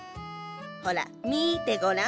ほら見てごらん。